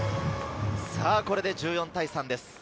これで１４対３です。